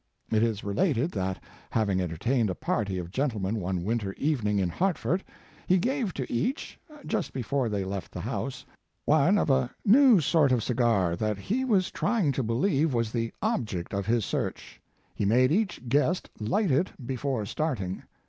It is related that, having enter tained a party of gentlemen one winter evening in Hartford, he gave to each, just before they left the house, one of a new sort of cigar that he was trying to believe was the object of his search. He made each guest light it before starting.